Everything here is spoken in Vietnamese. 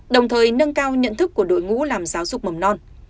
đồng thời nâng cao nhận thức của đội ngũ làm giáo dục mầm non